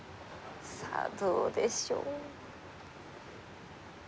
さあどうでしょう。